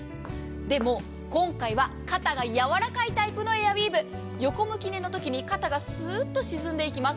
でも、今回は肩がやわらかいタイプのエアウィーヴ、横向き寝のときに肩がスッと沈んでいきます。